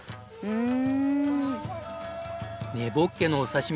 うん！